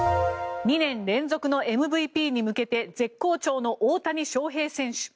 ２年連続のＭＶＰに向けて絶好調の大谷翔平選手。